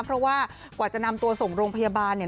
เพราะว่ากว่าจะนำตัวส่งโรงพยาบาลเนี่ย